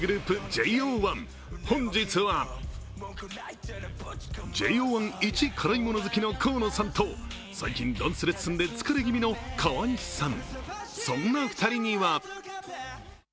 ＪＯ１、本日はＪＯ１いち辛いもの好きの河野さんと最近ダンスレッスンで疲れ気味の川西さん。